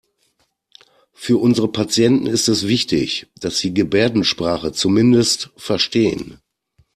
Für unsere Patienten ist es wichtig, dass Sie Gebärdensprache zumindest verstehen.